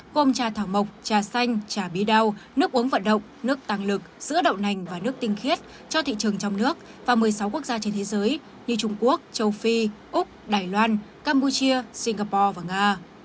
gồm trà thảo mộc trà xanh trà bí đau nước uống vận động nước tăng lực giữa đậu nành và nước tinh khiết cho thị trường trong nước và một mươi sáu quốc gia trên thế giới như trung quốc châu phi úc đài loan campuchia singapore và nga